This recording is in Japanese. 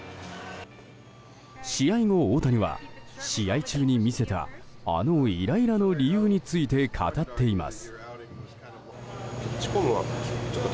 試合後、大谷は試合中に見せたあのイライラの理由について語っています。